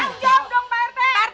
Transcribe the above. eh jawab dong pak rete